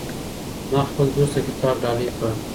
ما خپل دوست ته کتاب ډالۍ کړ.